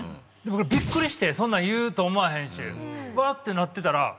俺びっくりしてそんなん言うと思わへんしわぁってなってたら。